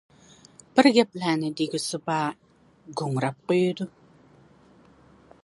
بىر نېمىلەرنى دېگۈسى بار گۇڭراپ قويىدۇ.